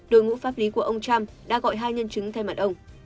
đội ngũ pháp lý của ông trump đã gọi hai nhân chứng thay mặt ông